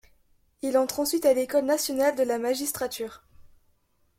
Il entre ensuite à l'École nationale de la magistrature.